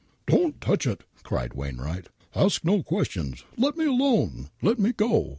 " Don't touch it !" cried Wainwright. " Ask no questions. Let me alone. Let me go.